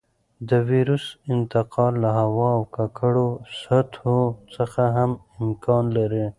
د وېروس انتقال له هوا او ککړو سطحو څخه هم امکان لري.